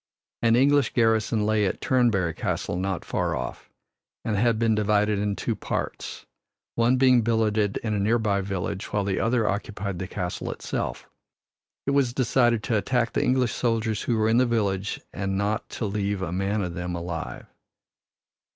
An English garrison lay at Turnberry Castle not far off, and had been divided in two parts, one being billeted in a nearby village, while the other occupied the castle itself. It was decided to attack the English soldiers who were in the village and not to leave a man of them alive.